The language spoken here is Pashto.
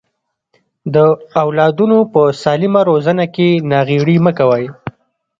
د اولادونو په سالمه روزنه کې ناغيړي مکوئ.